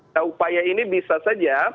nah upaya ini bisa saja